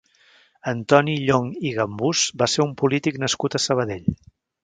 Antoni Llonch i Gambús va ser un polític nascut a Sabadell.